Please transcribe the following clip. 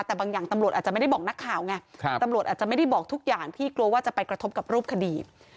แต่บางอย่างตำรวจอาจจะไม่ได้บอกนักข่าวไงตำรวจอาจจะไม่ได้บอกทุกอย่างที่กลัวว่าจะไปกระทบกับรูปคดี